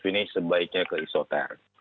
ini sebaiknya ke isoter